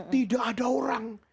tidak ada orang